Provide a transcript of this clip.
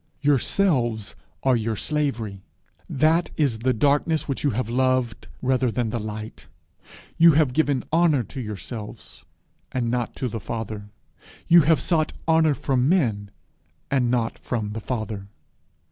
Yourselves are your slavery. That is the darkness which you have loved rather than the light. You have given honour to yourselves, and not to the Father; you have sought honour from men, and not from the Father!